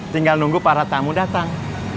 tinggal nunggu para tamu datang